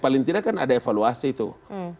paling tidak kan ada evaluasi tuh